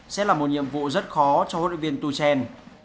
sẽ là một nhiệm vụ rất khó cho huấn luyện viên tuchen